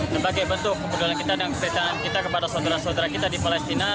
sebagai bentuk kepedulian kita dan kepestaan kita kepada saudara saudara kita di palestina